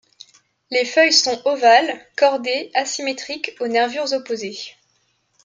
Les feuilles sont ovales, cordées, asymétriques, aux nervures opposées.